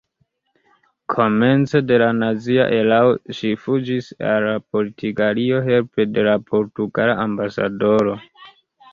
Komence de la nazia erao ŝi fuĝis al Portugalio helpe de la portugala ambasadoro.